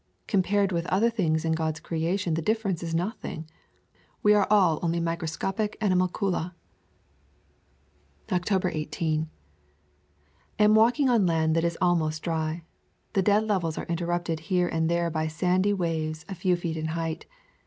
Compared with other things in God's creation the difference is nothing. We all are only microscopic animalcula. October 18. Amwalking on land that is almost dry. The dead levels are interrupted here and there by sandy waves a few feet in height.